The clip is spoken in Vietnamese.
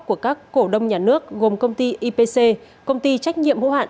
của các cổ đông nhà nước gồm công ty ipc công ty trách nhiệm hữu hạn